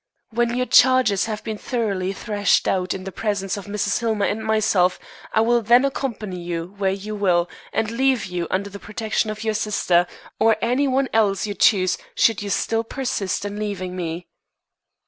When your charges have been thoroughly thrashed out in the presence of Mrs. Hillmer and myself I will then accompany you where you will, and leave you under the protection of your sister, or any one else you choose, should you still persist in leaving me."